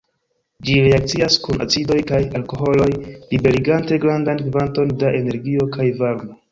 Ĝi reakcias kun acidoj kaj alkoholoj liberigante grandan kvanton da energio kaj varmo.